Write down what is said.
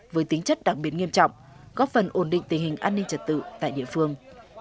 với tính chất đặc biệt nghiêm trọng góp phần ổn định tình hình an ninh trật tự tại địa phương